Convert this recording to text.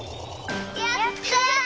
やった！